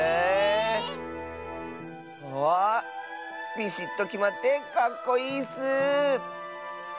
ビシッときまってかっこいいッス！